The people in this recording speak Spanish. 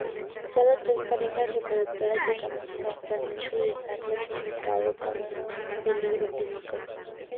Sólo tres parejas reproductoras se conocen actualmente y está clasificada como en peligro crítico.